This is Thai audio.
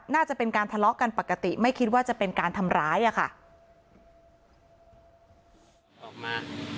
น่าจะเป็นการทะเลาะกันปกติไม่คิดว่าจะเป็นการทำร้ายอะค่ะ